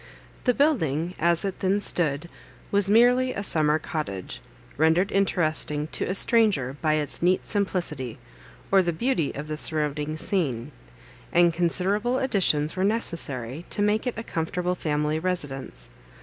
The building, as it then stood, was merely a summer cottage, rendered interesting to a stranger by its neat simplicity, or the beauty of the surrounding scene; and considerable additions were necessary to make it a comfortable family residence.